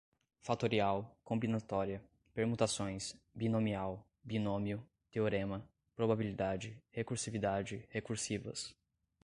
fatorial, combinatória, permutações, binomial, binômio, teorema, probabilidade, recursividade, recursivas